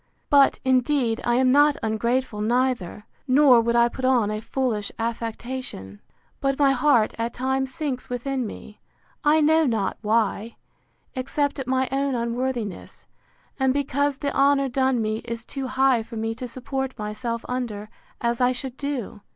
—But, indeed, I am not ungrateful neither; nor would I put on a foolish affectation: But my heart, at times, sinks within me; I know not why, except at my own unworthiness, and because the honour done me is too high for me to support myself under, as I should do.